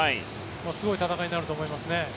すごい戦いになると思いますね。